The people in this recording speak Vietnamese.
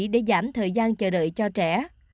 để giảm thời gian chờ đợi cho trẻ